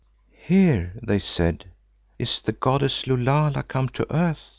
"'Here,' they said, 'is the goddess Lulala come to earth.